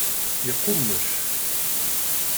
Yeqqummec.